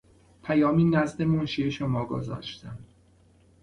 پیامی نزد منشی شما گذاشتم.